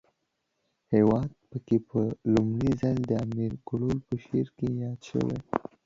هیواد پکی په ړومبی ځل د امیر کروړ په شعر کې ياد شوی